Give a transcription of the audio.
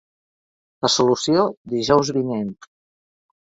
La solució, dijous vinent.